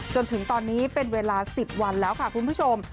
จนถึงตอนนี้เป็นเวลา๑๐วันแล้วค่ะคุณผู้ชม